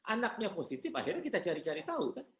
anaknya positif akhirnya kita cari cari tahu kan